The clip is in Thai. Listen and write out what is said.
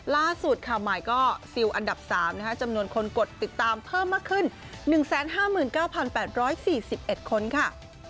ล่าสุดค่ะใหม่ก็ซิลอันดับ๓จำนวนคนกดติดตามเพิ่มมากขึ้น๑๕๙๘๔๑คนค่ะ